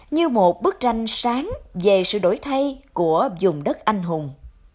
như một bức tranh sáng về sự đổi thay của dùng đất anh hùng